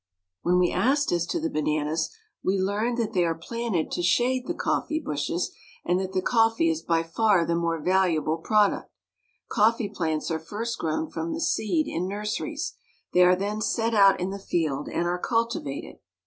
When we ask as to the bananas, we learn that they are planted to shade the coffee bushes, and that the coffee is by far the more valuable product. Coffee plants are first grown from the seed in nurseries. They are then set out in the field and are cultivated.